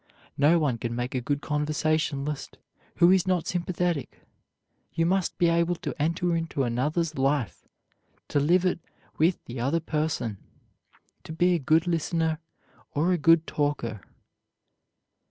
No one can make a good conversationalist who is not sympathetic. You must be able to enter into another's life, to live it with the other person, to be a good listener or a good talker.